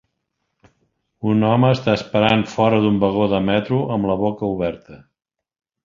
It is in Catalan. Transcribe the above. Un home està esperant fora d"un vagó de metro amb la boca oberta.